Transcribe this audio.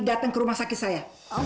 datang ke rumah sakit saya